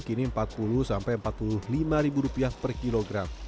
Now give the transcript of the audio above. kini empat puluh sampai empat puluh lima ribu rupiah per kilogram